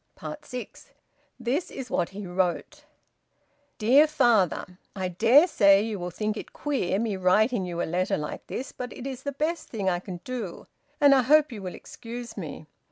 SIX. This is what he wrote: "Dear Father, I dare say you will think it queer me writing you a letter like this, but it is the best thing I can do, and I hope you will excuse me.